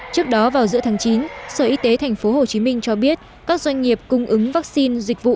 trước đó vào giữa tháng chín sở y tế tp hcm cho biết các doanh nghiệp cung ứng vaccine dịch vụ